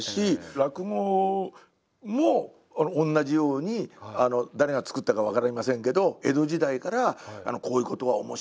落語も同じように誰が作ったか分かりませんけど江戸時代からこういうことは面白いな。